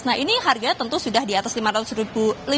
nah ini harganya tentu sudah diatas lima ratus ribu